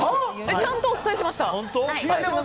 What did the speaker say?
ちゃんとお伝えしました。